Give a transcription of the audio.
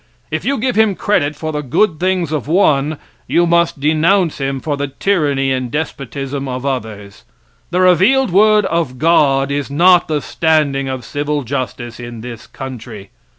If you give him credit for the good things of one you must denounce him for the tyranny and despotism of others. The revealed word of God is not the standing of civil justice in this country!